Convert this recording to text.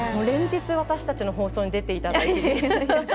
連日、私たちの放送に出ていただいて。